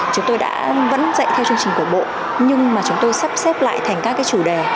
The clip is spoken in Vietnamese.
chúng tôi đã vẫn dạy theo chương trình của bộ nhưng mà chúng tôi sắp xếp lại thành các chủ đề